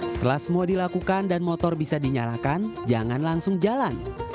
setelah semua dilakukan dan motor bisa dinyalakan jangan langsung jalan